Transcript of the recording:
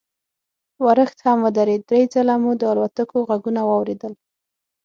ورښت هم ودرېد، درې ځله مو د الوتکو غږونه واورېدل.